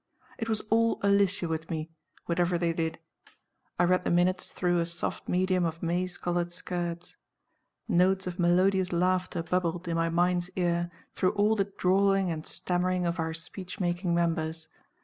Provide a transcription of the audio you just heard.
It was all Alicia with me, whatever they did. I read the Minutes through a soft medium of maize colored skirts. Notes of melodious laughter bubbled, in my mind's ear, through all the drawling and stammering of our speech making members.